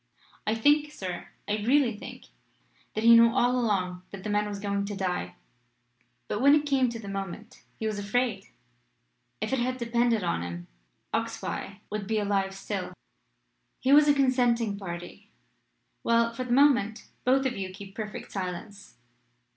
I think, sir I really think that he knew all along that the man was going to die, but when it came to the moment, he was afraid. If it had depended on him, Oxbye would be alive still." "He was a consenting party. Well; for the moment both of you keep perfect silence.